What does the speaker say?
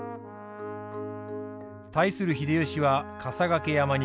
対する秀吉は笠懸山に築城。